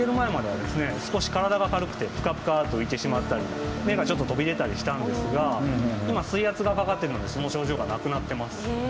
少し体が軽くてプカプカと浮いてしまったり目がちょっと飛び出たりしたんですが今水圧がかかってるのでその症状がなくなってます。